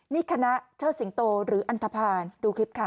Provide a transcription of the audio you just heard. นี่คณะเชิดสิงโตหรืออันทภาณดูคลิปค่ะ